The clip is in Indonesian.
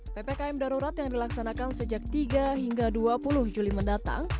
ppkm darurat yang dilaksanakan sejak tiga hingga dua puluh juli mendatang